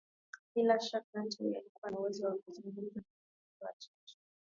Bila shaka Antony alikuwa na uwezo wa kuzungumza na marafiki wachache